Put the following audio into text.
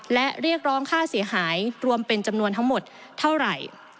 และเรียกร้องค่าเสียหายรวมเป็นจำนวนทั้งหมดเท่าไหร่